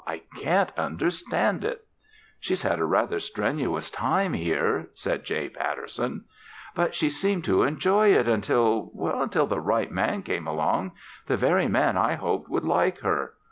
I can't understand it." "She's had a rather strenuous time here," said J. Patterson. "But she seemed to enjoy it until until the right man came along. The very man I hoped would like her!